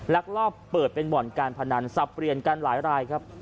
ลักลอบเปิดเป็นบ่อนการพนันสับเปลี่ยนกันหลายรายครับ